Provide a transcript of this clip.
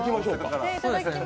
いただきます。